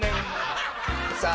さあ